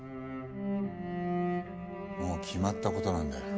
もう決まった事なんだよ。